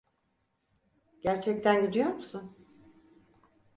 Gerçekten gidiyor musun?